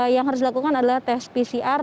yang harus dilakukan adalah tes pcr